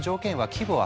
規模は？